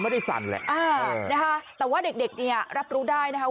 แต่ว่าเด็กเนี่ยรับรู้ได้นะคะ